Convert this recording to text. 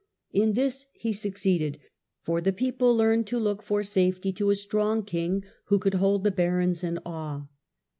In this he succeeded, for the people learned to look for safety to a strong king who could hold the barons in awe.